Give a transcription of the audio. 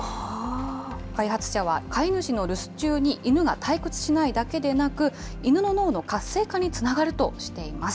開発者は、飼い主の留守中に犬が退屈しないだけでなく、犬の脳の活性化につながるとしています。